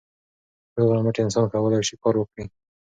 روغ رمټ انسان کولای سي کار وکړي.